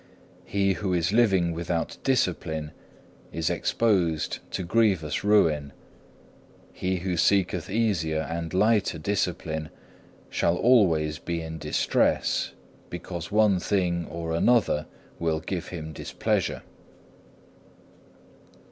He who is living without discipline is exposed to grievous ruin. He who seeketh easier and lighter discipline shall always be in distress, because one thing or another will give him displeasure.